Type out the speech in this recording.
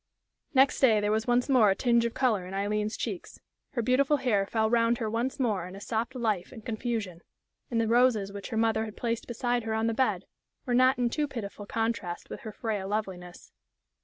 Next day there was once more a tinge of color on Aileen's cheeks. Her beautiful hair fell round her once more in a soft life and confusion, and the roses which her mother had placed beside her on the bed were not in too pitiful contrast with her frail loveliness.